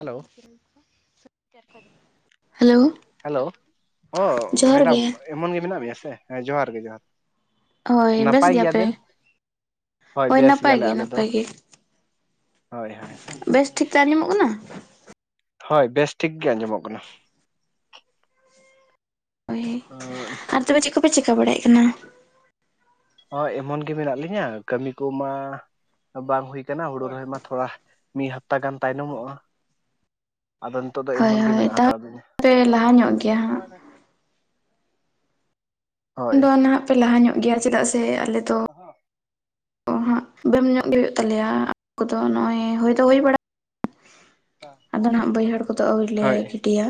Hello hello [unintelligible] hello ᱚᱦ ᱡᱚᱦᱟᱨ madam ᱜᱮ ᱮᱢᱚᱱ ᱜᱮ ᱢᱮᱱᱟᱜ ᱢᱮᱭᱟ ᱥᱮ ᱦᱮᱸ ᱡᱚᱦᱟᱨ ᱜᱮ ᱡᱚᱦᱟᱨ ᱦᱳᱭ ᱵᱮᱥ ᱱᱟᱯᱟᱭ ᱜᱮᱭᱟ ᱯᱮ ᱜᱮᱭᱟᱵᱮᱱ ᱦᱳᱭ ᱵᱮᱥ ᱱᱟᱯᱟᱭ ᱜᱮᱭᱟᱞᱮ ᱜᱮ ᱟᱞᱮ ᱫᱚ ᱱᱟᱯᱟᱭ ᱜᱮ, ᱦᱳᱭ ᱦᱳᱭ ᱵᱮᱥ ᱴᱷᱤᱠ ᱛᱮ ᱟᱸᱡᱚᱢᱚᱜ ᱠᱟᱱᱟ ᱦᱳᱭ ᱵᱮᱥ ᱴᱷᱤᱠ ᱜᱮ ᱟᱸᱡᱚᱢᱚᱜ ᱠᱟᱱᱟ᱾ ᱦᱳᱭ ᱟᱨ ᱛᱚᱵᱮ ᱪᱮᱫ ᱠᱚᱯᱮ ᱪᱮᱠᱟ ᱵᱟᱲᱟᱭᱮᱫ ᱠᱟᱱᱟ᱾ ᱦᱚᱭ ᱮᱢᱚᱱ ᱜᱮ ᱢᱮᱱᱟᱜ ᱞᱤᱧᱟᱹ ᱠᱟᱹᱢᱤ ᱠᱚᱢᱟ ᱵᱟᱝ ᱦᱩᱭ ᱟᱠᱟᱱᱟ ᱦᱳᱲᱳ ᱨᱚᱦᱚᱭ ᱢᱟ ᱛᱷᱚᱲᱟ ᱢᱤᱫ ᱦᱟᱯᱛᱟ ᱜᱟᱱ ᱛᱟᱭᱱᱚᱢᱚᱜᱼᱟ ᱾ ᱟᱫᱚ ᱱᱤᱛᱚᱜ ᱫᱚ ᱦᱳᱭ ᱮᱢᱚᱱ ᱜᱮ ᱦᱳᱭ ᱢᱮᱱᱟᱜ ᱛᱟᱦᱚᱞᱮ ᱦᱟᱛᱟᱲ ᱞᱤᱧᱟ ᱯᱮ ᱞᱟᱦᱟ ᱧᱚᱜ ᱜᱮᱭᱟ ᱦᱟᱸᱜ [unintelligible] ᱫᱚ ᱱᱟᱦᱟᱜ ᱯᱮ ᱞᱟᱦᱟ ᱧᱚᱜ ᱜᱮᱭᱟ ᱪᱮᱫᱟᱜ ᱥᱮ ᱟᱞᱮ ᱫᱚ ᱚᱼᱦᱚ ᱚᱼ ᱦᱟᱸᱜ ᱵᱮᱢ ᱧᱚᱜ ᱜᱮ ᱦᱩᱭᱩᱜ ᱛᱟᱞᱮᱭᱟ ᱠᱚᱫᱚ ᱱᱚᱜᱼᱚᱭ ᱦᱩᱭ ᱫᱚ ᱦᱩᱭ ᱵᱟᱲᱟᱜᱼᱟ ᱟᱫᱚ ᱱᱷᱟᱸᱜ ᱵᱟᱹᱭᱦᱟᱹᱲ ᱠᱚᱫᱚ ᱟᱹᱣᱨᱤ ᱞᱮ ᱦᱳᱭ ᱜᱤᱰᱤᱭᱟ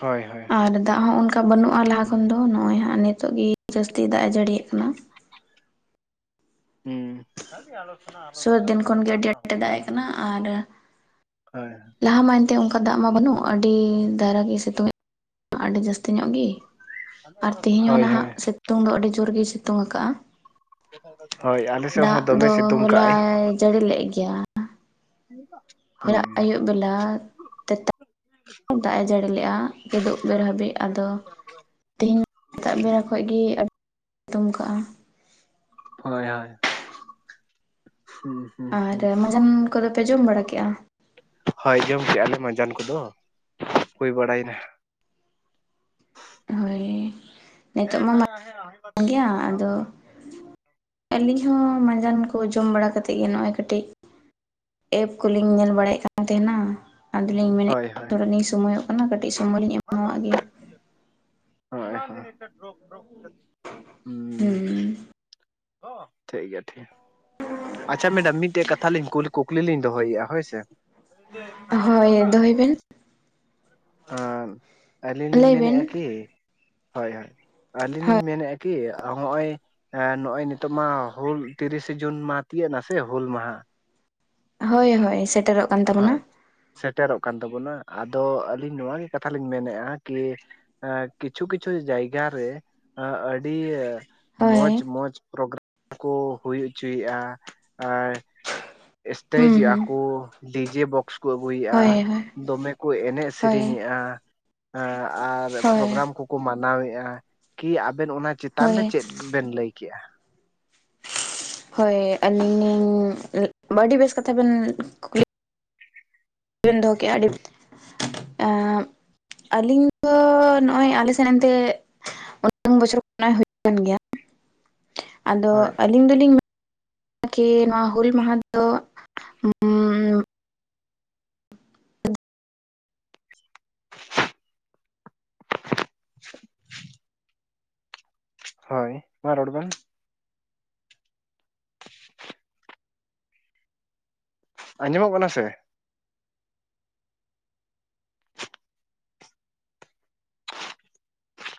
ᱦᱳᱭ ᱦᱳᱭ ᱟᱨ ᱫᱟᱜ ᱦᱚᱸ ᱚᱱᱠᱟ ᱵᱟᱹᱱᱩᱜᱼᱟ ᱞᱟᱦᱟ ᱦᱩᱸ ᱠᱷᱚᱱ ᱫᱚ ᱱᱚᱜᱼᱚᱭ ᱦᱟᱸᱜ ᱱᱤᱛᱳᱜ ᱜᱮ, ᱡᱟᱹᱥᱛᱤ ᱫᱟᱜ ᱮ ᱡᱟᱹᱲᱤᱼᱮᱫ ᱠᱟᱱᱟ ᱦᱩᱸ [inaudible] ᱥᱩᱨ ᱫᱤᱱ ᱠᱷᱚᱱ ᱜᱮ ᱟᱹᱰᱤ ᱟᱸᱴᱮ ᱫᱟᱜ ᱮ ᱠᱟᱱᱟ [unintelligible] ᱟᱨ ᱦᱳᱭ ᱞᱟᱦᱟ ᱢᱟ ᱮᱱᱛᱮ ᱚᱱᱠᱟ ᱫᱟᱜ ᱢᱟ ᱵᱟᱹᱱᱩᱜ ᱟᱹᱰᱤ ᱫᱟᱭᱟ ᱜᱮ ᱥᱤᱛᱩᱝ ᱟᱹᱰᱤ ᱡᱟᱹᱥᱛᱤ ᱧᱚᱜ ᱜᱮ, ᱟᱨ ᱛᱮᱦᱤᱧ ᱦᱚᱸ ᱦᱳᱭ ᱦᱳᱭ ᱱᱷᱟᱜ ᱥᱤᱛᱩᱝ ᱫᱚ ᱟᱹᱰᱤ ᱡᱳᱨ ᱜᱮᱭ ᱥᱤᱛᱩᱝ ᱟᱠᱟᱜᱼᱟ ᱦᱳᱭ ᱟᱞᱮ ᱥᱮᱫ ᱫᱟᱜ ᱦᱚᱸ ᱫᱚᱢᱮ ᱫᱚ ᱥᱤᱛᱩᱝ ᱠᱟᱜᱼᱟᱭ ᱦᱚᱞᱟᱭ ᱡᱟᱹᱲᱤ ᱞᱮᱫ ᱜᱮᱭᱟ, ᱱᱤᱛᱚᱜ, ᱦᱚᱞᱟ ᱟᱹᱭᱩᱵ ᱵᱮᱞᱟ [inaudible] ᱫᱟᱜᱼᱮ ᱡᱟᱹᱲᱤ ᱞᱮᱜᱼᱟ ᱠᱮᱫᱩᱵ ᱵᱮᱨ ᱦᱟᱹᱵᱤᱡ ᱟᱫᱚ, ᱛᱮᱦᱮᱧ ᱥᱮᱛᱟᱜ ᱵᱮᱲᱟ ᱠᱷᱚᱡ ᱜᱮ ᱟᱹᱰᱤ ᱥᱤᱛᱩᱝ ᱟᱠᱟᱫᱼᱟ ᱦᱳᱭ ᱦᱳᱭ ᱦᱩᱸ [unintelligible] ᱟᱨ ᱢᱟᱡᱟᱱ ᱠᱚᱫᱚ ᱯᱮ ᱡᱚᱢ ᱵᱟᱲᱟ ᱠᱮᱜᱼᱟ᱾ ᱦᱳᱭ ᱡᱚᱢ ᱠᱮᱜᱼᱟ ᱞᱮ ᱢᱟᱡᱟᱱ ᱠᱚᱫᱚ ᱦᱩᱭ ᱵᱟᱲᱟᱭᱮᱱᱟ ᱾ ᱦᱳᱭ ᱱᱤᱛᱚᱜ ᱢᱟ [inaudible] ᱜᱮᱭᱟ ᱟᱫᱚ ᱟᱹᱞᱤᱧ ᱦᱚᱸ ᱢᱟᱸᱡᱟᱱ ᱠᱚ ᱡᱚᱢ ᱵᱟᱲᱟ ᱠᱟᱛᱮ ᱜᱮ ᱱᱚᱜᱼᱚᱭ ᱠᱟᱹᱴᱤᱡ ᱮᱯ ᱠᱚᱞᱤᱧ ᱧᱮᱞ ᱵᱟᱲᱟᱭᱮᱫ ᱠᱟᱱ ᱛᱟᱦᱮᱸᱱᱟ᱾ ᱟᱫᱚᱞᱤᱧ ᱢᱮᱱᱮᱜ ᱦᱳᱭ ᱦᱳᱭ ᱛᱚᱨᱟ ᱞᱤᱧ ᱥᱚᱢᱳᱚᱭᱚᱜ ᱠᱟᱱᱟ ᱠᱟᱹᱴᱤᱡ ᱥᱚᱢᱚᱭ ᱞᱤᱧ ᱮᱢᱟᱣᱟᱜ ᱜᱮ᱾ [unintelligible] ᱦᱩᱸ ᱦᱚ ᱴᱷᱤᱠ ᱜᱮᱭᱟ ᱴᱷᱤᱠ ᱟᱪᱪᱷᱟ ᱢᱮᱰᱟᱢ ᱢᱤᱫᱴᱮᱡ ᱠᱟᱛᱷᱟ ᱞᱤᱧ ᱠᱩᱞᱤ ᱠᱩᱠᱞᱤ ᱞᱤᱧ ᱫᱚᱦᱚᱭᱮᱫᱼᱟ ᱦᱳᱭ ᱥᱮ᱾ ᱦᱳᱭ ᱫᱚᱦᱚᱭ ᱵᱮᱱ ᱟᱨ ᱟᱹᱞᱤᱧ ᱞᱤᱧ ᱞᱟᱹᱭ ᱢᱮᱱᱮᱜᱼᱟ ᱠᱤ ᱵᱮᱱ ᱦᱳᱭ ᱦᱳᱭ ᱟᱹᱞᱤᱧ ᱞᱤᱧ ᱦᱳᱭ ᱢᱮᱱᱮᱜᱼᱟ ᱠᱤ ᱦᱚᱜᱼᱚᱭ ᱮᱸ ᱱᱚᱜᱼᱚᱭ ᱱᱤᱛᱚᱜ ᱢᱟ ᱦᱩᱞ ᱛᱤᱨᱤᱥᱮ ᱡᱩᱱ ᱢᱟᱦᱟ ᱛᱤᱭᱟᱹᱜ ᱱᱟᱥᱮ ᱦᱩᱞ ᱢᱟᱦᱟ᱾ ᱦᱳᱭ ᱦᱳᱭ ᱥᱮᱴᱮᱨᱚᱜ ᱠᱟᱱ ᱦᱳᱭ ᱛᱟᱵᱚᱱᱟ ᱥᱮᱴᱮᱨᱚᱜ ᱠᱟᱱ ᱛᱟᱵᱚᱱᱟ᱾ ᱟᱫᱚ ᱟᱹᱞᱤᱧ ᱱᱚᱣᱟ ᱜᱮ ᱠᱟᱛᱷᱟ ᱞᱤᱧ ᱢᱮᱱᱮᱫᱼᱟ, ᱠᱤ ᱮ ᱠᱤᱪᱷᱩ ᱠᱤᱪᱷᱩ ᱡᱟᱭᱜᱟ ᱨᱮ ᱟ ᱟᱹᱰᱤ ᱢᱚᱸᱡᱽ ᱦᱳᱭ ᱢᱚᱸᱡᱽ ᱯᱨᱳᱜᱨᱟᱢ ᱠᱚ ᱦᱩᱭ ᱦᱚᱪᱚᱭᱮᱜᱼᱟ ᱟᱨ ᱦᱩᱸ ᱮᱥᱴᱮᱡᱮᱜ ᱦᱩᱸ ᱟᱠᱚ᱾ ᱰᱤᱡᱮ ᱵᱚᱠᱥ ᱠᱚ ᱟᱹᱜᱩᱭᱮᱜᱼᱟ, ᱦᱳᱭ ᱦᱳᱭ ᱫᱚᱢᱮ ᱠᱚ ᱮᱱᱮᱡ ᱦᱳᱭ ᱥᱮᱨᱮᱧᱮᱜᱼᱟ᱾ ᱦᱮᱸ ᱟᱨ ᱦᱳᱭ ᱯᱨᱳᱜᱨᱟᱢ ᱠᱚ ᱠᱚ ᱢᱟᱱᱟᱣᱮᱜᱼᱟ, ᱠᱤ ᱟᱵᱮᱱ ᱚᱱᱟ ᱪᱮᱛᱟᱱ ᱦᱳᱭ ᱨᱮ ᱪᱮᱫ ᱵᱮᱱ ᱞᱟᱹᱭ ᱠᱮᱜᱼᱟ? ᱦᱳᱭ ᱟᱹᱞᱤᱧ ᱞᱤᱧ ᱟᱹ [unintelligible] ᱵᱮᱥ ᱠᱟᱛᱷᱟ ᱵᱮᱱ ᱠᱩᱠᱞᱤ᱾ ᱵᱤᱱ ᱫᱚᱦᱚ ᱠᱮᱜ-ᱟ, ᱟᱹᱰᱤᱢ ᱮᱸ ᱟᱹᱞᱤᱧ ᱫᱚ ᱱᱚᱜᱼᱚᱭ ᱟᱞᱮ ᱥᱮᱱ ᱮᱱᱛᱮᱜ ᱩᱱ ᱵᱚᱪᱷᱚᱨ ᱵᱚᱱᱱᱟ ᱦᱩᱭᱩᱜ ᱠᱟᱱ ᱜᱮᱭᱟ, ᱟᱫᱚ ᱦᱳᱭ ᱟᱹᱞᱤᱧ ᱫᱚᱞᱤᱧ ᱢᱮ ᱠᱤ ᱱᱚᱣᱟ ᱦᱩᱞ ᱢᱟᱦᱟ ᱫᱚ [unintelligible] [inaudible] ᱦᱳᱭ ᱢᱟ ᱨᱚᱲ ᱵᱮᱱ? ᱟᱸᱡᱚᱢᱚᱜ ᱠᱟᱱᱟ ᱥᱮ